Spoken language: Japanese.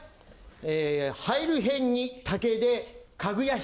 入る偏に竹で、かぐや姫。